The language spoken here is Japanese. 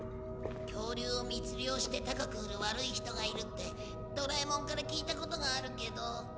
恐竜を密猟して高く売る悪い人がいるってドラえもんから聞いたことがあるけど。